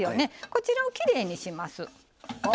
こちらをきれいにします。